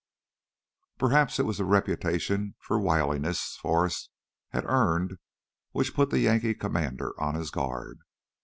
Perhaps it was the reputation for wiliness Forrest had earned which put the Yankee commander on his guard.